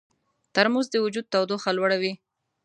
ترموز د وجود تودوخه لوړوي.